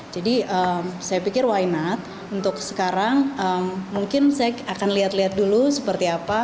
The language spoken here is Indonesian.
jadi saya pikir why not untuk sekarang mungkin saya akan lihat lihat dulu seperti apa